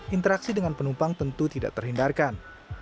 interaksi dengan penumpang tentu tidak terhindarkan